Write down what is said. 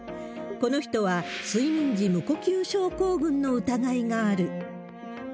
この人は、睡眠時無呼吸症候群の疑いがある。